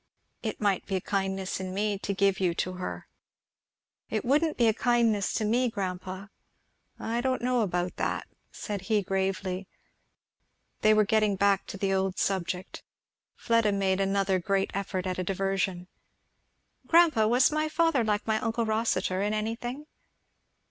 "It might be a kindness in me to give you to her." "It wouldn't be a kindness to me, grandpa." "I don't know about that," said he gravely. They were getting back to the old subject. Fleda made another great effort at a diversion. "Grandpa, was my father like my uncle Rossitur in any thing?"